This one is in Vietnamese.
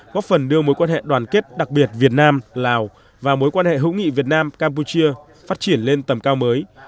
góp phần đưa mối quan hệ đoàn kết đặc biệt việt nam lào và mối quan hệ hữu nghị việt nam campuchia phát triển lên tầm cao mới